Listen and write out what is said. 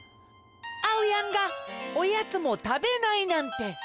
あおやんがおやつもたべないなんて。